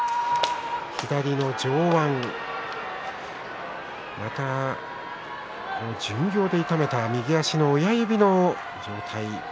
左の上腕、巡業で痛めた右足の親指の状態